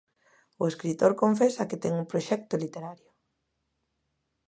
O escritor confesa que ten un proxecto literario.